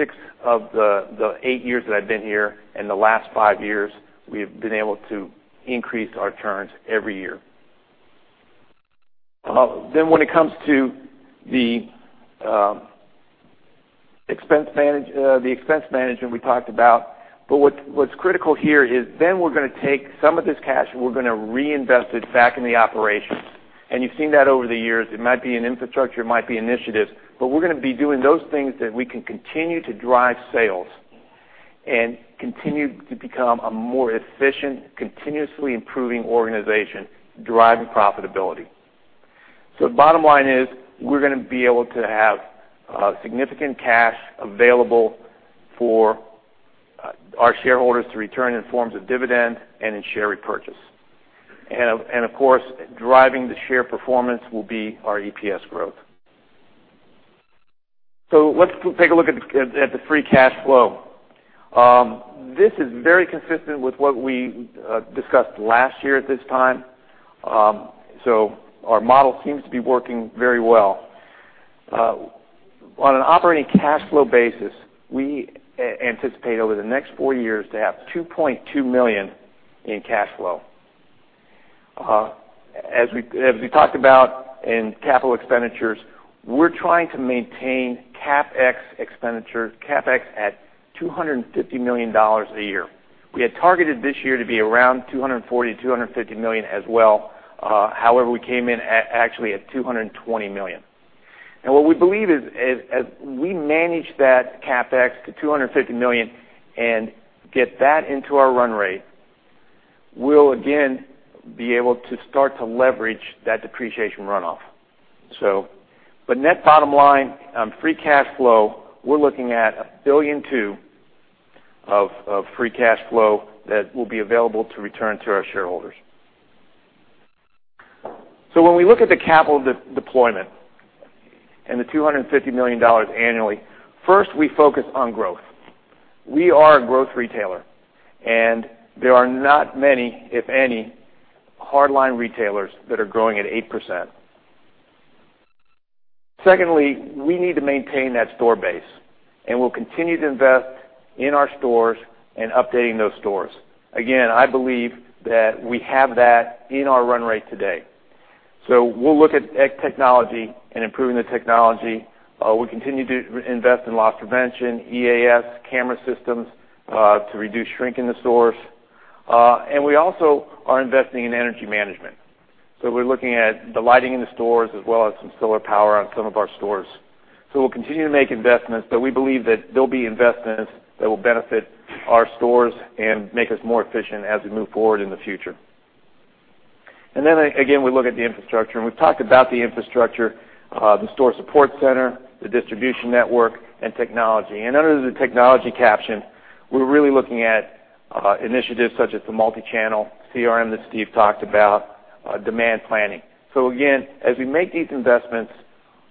[SPEAKER 4] six of the eight years that I've been here. In the last five years, we've been able to increase our turns every year. When it comes to the expense management we talked about. What's critical here is then we're going to take some of this cash, and we're going to reinvest it back in the operations. You've seen that over the years. It might be in infrastructure, it might be initiatives, but we're going to be doing those things that we can continue to drive sales and continue to become a more efficient, continuously improving organization, driving profitability. The bottom line is, we're going to be able to have significant cash available for our shareholders to return in forms of dividends and in share repurchase. Of course, driving the share performance will be our EPS growth. Let's take a look at the free cash flow. This is very consistent with what we discussed last year at this time. Our model seems to be working very well. On an operating cash flow basis, we anticipate over the next four years to have $2.2 billion in cash flow. As we talked about in capital expenditures, we're trying to maintain CapEx at $250 million a year. We had targeted this year to be around $240 million-$250 million as well. However, we came in actually at $220 million. What we believe is, as we manage that CapEx to $250 million and get that into our run rate, we'll again be able to start to leverage that depreciation runoff. Net bottom line on free cash flow, we're looking at $1.2 billion of free cash flow that will be available to return to our shareholders. When we look at the capital deployment and the $250 million annually, first, we focus on growth. We are a growth retailer, and there are not many, if any, hardline retailers that are growing at 8%. Secondly, we need to maintain that store base, and we'll continue to invest in our stores and updating those stores. Again, I believe that we have that in our run rate today. We'll look at technology and improving the technology. We'll continue to invest in loss prevention, EAS, camera systems to reduce shrink in the stores. We also are investing in energy management. We're looking at the lighting in the stores as well as some solar power on some of our stores. We'll continue to make investments, but we believe that they'll be investments that will benefit our stores and make us more efficient as we move forward in the future. Again, we look at the infrastructure, we've talked about the infrastructure, the store support center, the distribution network, and technology. Under the technology caption, we're really looking at initiatives such as the multi-channel CRM that Steve talked about, demand planning. Again, as we make these investments,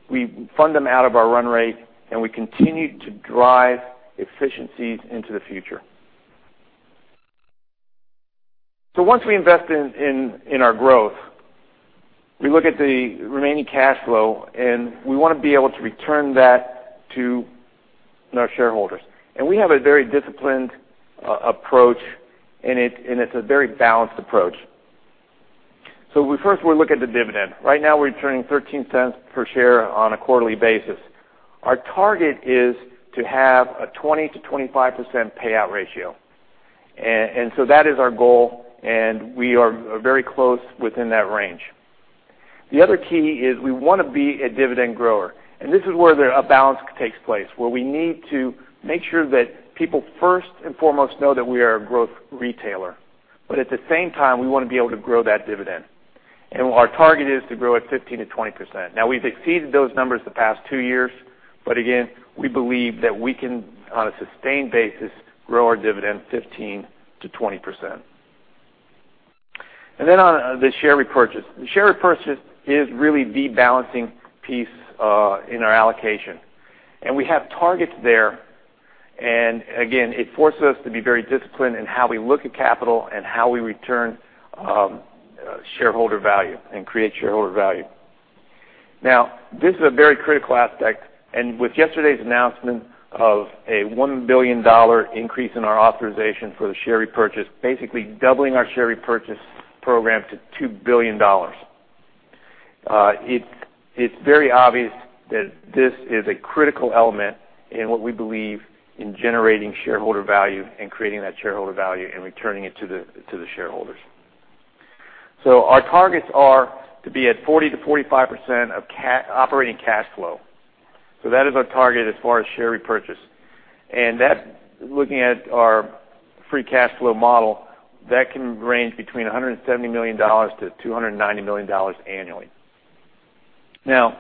[SPEAKER 4] we fund them out of our run rate, we continue to drive efficiencies into the future. Once we invest in our growth, we look at the remaining cash flow, we want to be able to return that to our shareholders. We have a very disciplined approach, it's a very balanced approach. First, we look at the dividend. Right now, we're returning $0.13 per share on a quarterly basis. Our target is to have a 20%-25% payout ratio. That is our goal, we are very close within that range. The other key is we want to be a dividend grower. This is where a balance takes place, where we need to make sure that people first and foremost know that we are a growth retailer, at the same time, we want to be able to grow that dividend. Our target is to grow at 15%-20%. Now, we've exceeded those numbers the past two years, again, we believe that we can, on a sustained basis, grow our dividend 15%-20%. On the share repurchase. The share repurchase is really the balancing piece in our allocation. We have targets there. Again, it forces us to be very disciplined in how we look at capital, how we return shareholder value, and create shareholder value. Now, this is a very critical aspect. With yesterday's announcement of a $1 billion increase in our authorization for the share repurchase, basically doubling our share repurchase program to $2 billion. It's very obvious that this is a critical element in what we believe in generating shareholder value, creating that shareholder value, and returning it to the shareholders. Our targets are to be at 40%-45% of operating cash flow. That is our target as far as share repurchase. Looking at our free cash flow model, that can range between $170 million-$290 million annually. Now,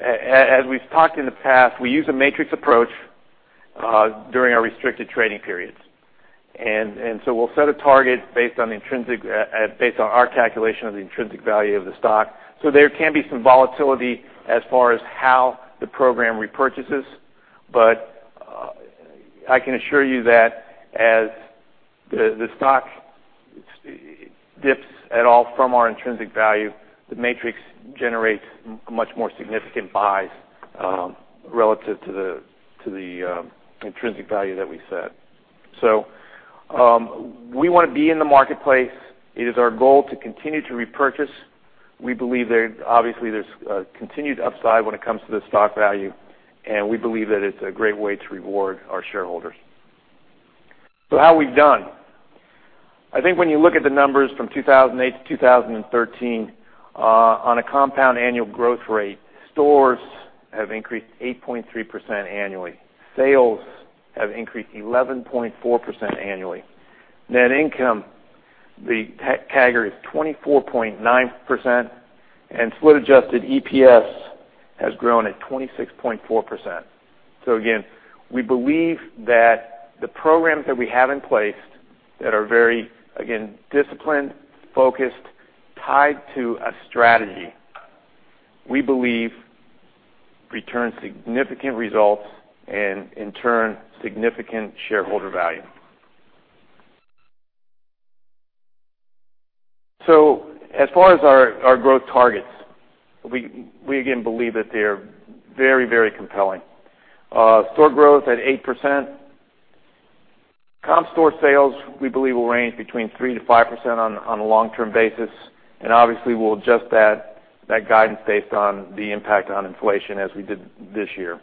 [SPEAKER 4] as we've talked in the past, we use a matrix approach during our restricted trading periods. We'll set a target based on our calculation of the intrinsic value of the stock. There can be some volatility as far as how the program repurchases, but I can assure you that as the stock dips at all from our intrinsic value, the matrix generates much more significant buys relative to the intrinsic value that we set. We want to be in the marketplace. It is our goal to continue to repurchase. We believe there obviously there's a continued upside when it comes to the stock value, and we believe that it's a great way to reward our shareholders. How we've done. I think when you look at the numbers from 2008 to 2013, on a compound annual growth rate, stores have increased 8.3% annually. Sales have increased 11.4% annually. Net income, the CAGR is 24.9%, and split-adjusted EPS has grown at 26.4%. Again, we believe that the programs that we have in place that are very, again, disciplined, focused, tied to a strategy, we believe return significant results and in turn, significant shareholder value. As far as our growth targets, we again believe that they are very compelling. Store growth at 8%. Comp store sales, we believe will range between 3%-5% on a long-term basis. Obviously, we'll adjust that guidance based on the impact on inflation as we did this year.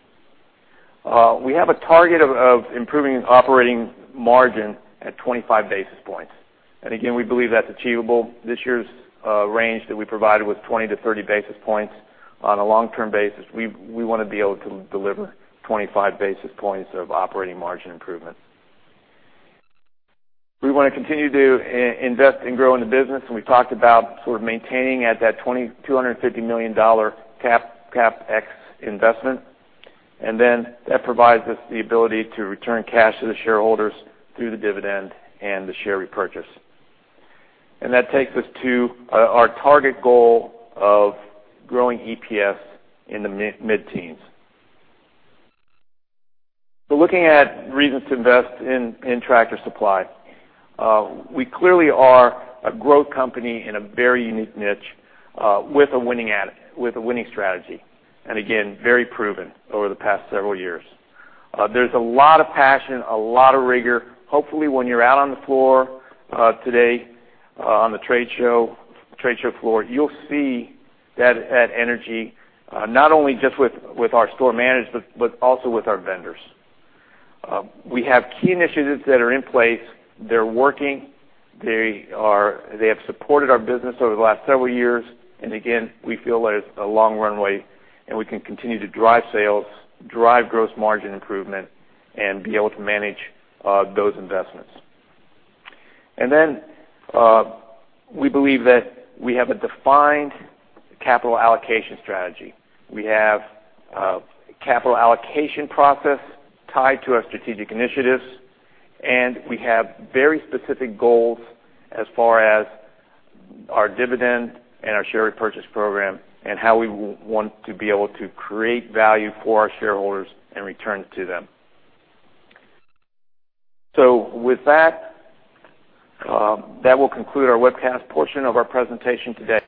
[SPEAKER 4] We have a target of improving operating margin at 25 basis points. Again, we believe that's achievable. This year's range that we provided was 20-30 basis points. On a long-term basis, we want to be able to deliver 25 basis points of operating margin improvement. We want to continue to invest and grow in the business, we talked about sort of maintaining at that $250 million CapEx investment, then that provides us the ability to return cash to the shareholders through the dividend and the share repurchase. That takes us to our target goal of growing EPS in the mid-teens. Looking at reasons to invest in Tractor Supply. We clearly are a growth company in a very unique niche with a winning strategy, again, very proven over the past several years. There's a lot of passion, a lot of rigor. Hopefully, when you're out on the floor today on the trade show floor, you'll see that energy, not only just with our store management, but also with our vendors. We have key initiatives that are in place. They're working. They have supported our business over the last several years. Again, we feel that it's a long runway, we can continue to drive sales, drive gross margin improvement, be able to manage those investments. We believe that we have a defined capital allocation strategy. We have a capital allocation process tied to our strategic initiatives, we have very specific goals as far as our dividend and our share repurchase program and how we want to be able to create value for our shareholders and return it to them. With that will conclude our webcast portion of our presentation today.